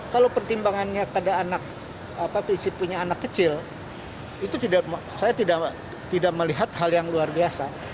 kalau pertimbangannya pada anak fisik punya anak kecil itu saya tidak melihat hal yang luar biasa